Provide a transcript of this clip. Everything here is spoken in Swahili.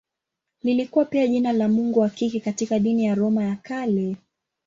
Lilikuwa pia jina la mungu wa kike katika dini ya Roma ya Kale.